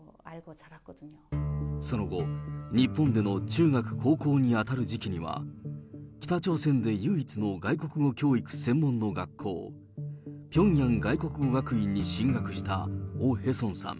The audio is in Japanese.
その後、日本での中学、高校に当たる時期には、北朝鮮で唯一の外国語教育専門の学校、ピョンヤン外国語学院に進学したオ・ヘソンさん。